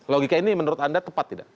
logika ini menurut anda tepat tidak